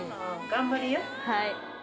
はい。